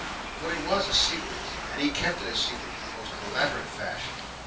For it was a secret and he kept it secret in the most elaborate fashion.